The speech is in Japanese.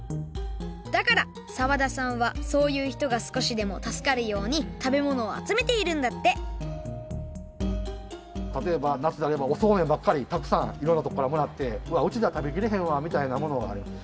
だから澤田さんはそういうひとがすこしでもたすかるように食べ物をあつめているんだってたとえば夏であればおそうめんばっかりたくさんいろんなとこからもらって「うわっうちでは食べきれへんわ」みたいなものがある。